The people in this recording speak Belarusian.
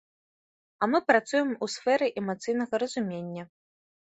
А мы працуем у сферы эмацыйнага разумення.